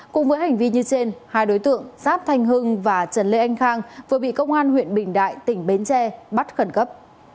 cùng với hành vi như trên hai đối tượng giáp thanh hưng và trần lê anh khang vừa bị công an huyện bình đại tỉnh bến tre bắt khẩn cấp